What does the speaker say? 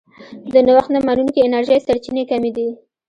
د نوښت نه منونکې انرژۍ سرچینې کمې دي.